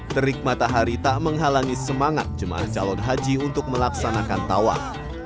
terik matahari tak menghalangi semangat jemaah calon haji untuk melaksanakan tawaf